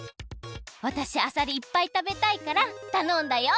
わたしあさりいっぱいたべたいからたのんだよ！